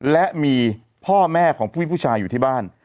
และมีพ่อแม่ของผู้มีผู้ชายอยู่ที่บ้าน